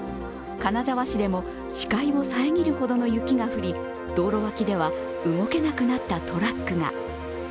金沢市でも視界を遮るほどの雪が降り道路脇では動けなくなったトラックが。